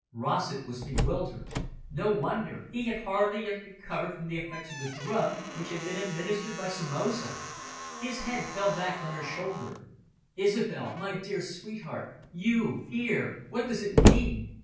Rossett was bewildered. No wonder! He had hardly yet recovered from the effects of the drug which had been administered by Somoza. His head fell back on her shoulder. "Isobel, my dear sweetheart! You here! What does it mean?"